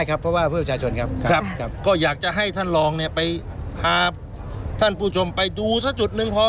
ก็ก็ก็อยากจะให้ท่านรองเนี่ยไปพาท่านผู้ชมไปดูซะจุดหนึ่งพอ